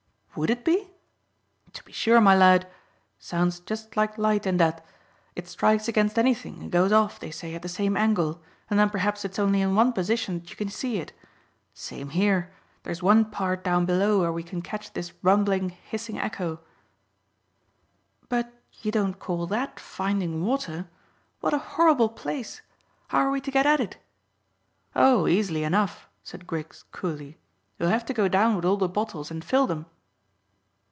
"Would it be?" "To be sure, my lad. Sound's just like light in that. It strikes against anything and goes off, they say, at the same angle, and then perhaps it's only in one position that you can see it. Same here: there's one part down below where we can catch this rumbling, hissing echo." "But you don't call that finding water? What a horrible place! How are we to get at it?" "Oh, easily enough," said Griggs coolly. "You'll have to go down with all the bottles and fill them."